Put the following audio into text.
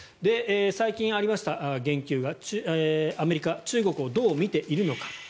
最近ありました言及はアメリカ中国をどう見ているのか。